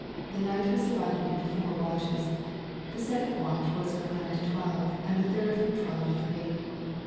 The night was divided into four watches. The second watch was from nine tt twelve, and the third from twelve to three.